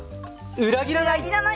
裏切らない！